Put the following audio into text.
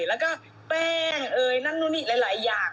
แล้วก็แป้งเอ่ยนั่นนู่นนี่หลายอย่าง